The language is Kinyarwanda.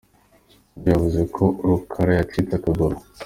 Undi we yavuze ko Rukara yacitse akaguru.